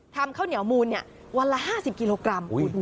ข้าวเหนียวมูลวันละ๕๐กิโลกรัม